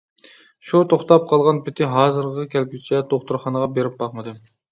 شۇ توختاپ قالغان پېتى ھازىرغا كەلگۈچە دوختۇرخانىغا بېرىپ باقمىدىم.